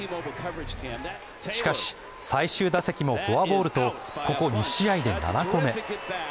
しかし、最終打席もフォアボールとここ２試合で７個目。